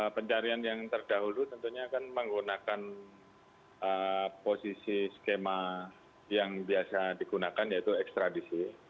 pencarian yang terdahulu tentunya kan menggunakan posisi skema yang biasa digunakan yaitu ekstradisi